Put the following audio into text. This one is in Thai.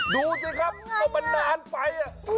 ดูสิครับก็มันนานไป